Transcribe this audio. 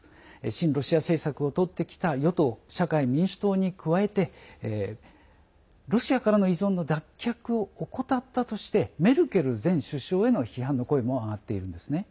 親ロシア派政策をとってきた与党・社会民主党に加えてロシアからの依存の脱却を怠ったとしてメルケル前首相への批判の声も上がっているんですね。